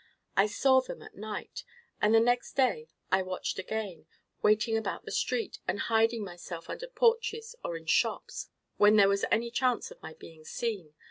I saw them at night; and the next day I watched again—waiting about the street, and hiding myself under porches or in shops, when there was any chance of my being seen.